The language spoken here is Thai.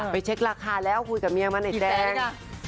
ไปเช็คราคาแล้วคุยกับเมียมั่นแจ๊ง